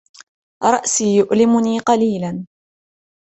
رأسى يؤلمنى قليلا